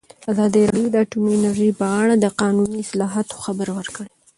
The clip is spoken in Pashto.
ازادي راډیو د اټومي انرژي په اړه د قانوني اصلاحاتو خبر ورکړی.